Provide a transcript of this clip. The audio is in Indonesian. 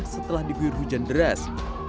setelah diguyur hujan deras